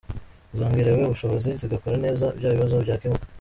Zongerewe ubushobozi, zigakora neza, bya bibazo byakemuka.